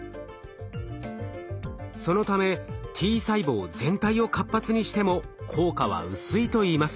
そのためＴ細胞全体を活発にしても効果は薄いといいます。